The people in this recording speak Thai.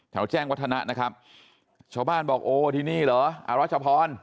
แจ้งวัฒนะนะครับชาวบ้านบอกโอ้ที่นี่เหรออรัชพร